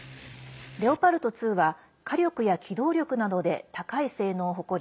レオパルト２は火力や機動力などで高い性能を誇り